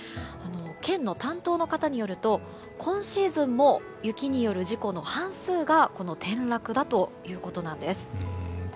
県の担当の方によると今シーズンも雪による事故の半数がこの転落だということなんです。